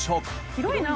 広いな。